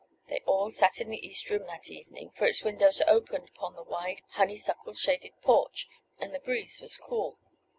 They all sat in the east room that evening, for its windows opened upon the wide, honeysuckle shaded porch, and the breeze was cool.